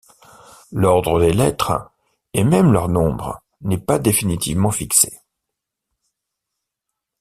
L’ordre des lettres, et même leur nombre, n’est pas définitivement fixé.